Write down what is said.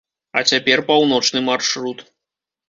А цяпер паўночны маршрут.